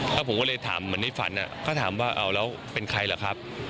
แล้วผมก็เลยถามเหมือนในฝันก็ถามว่าเอาแล้วเป็นใครเหรอครับ